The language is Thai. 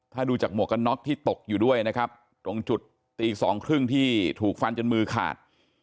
ถ้าดูจากหมวกกันน็อกที่ตกอยู่ด้วยนะครับตรงจุดตีสองครึ่งที่ถูกฟันจนมือขาด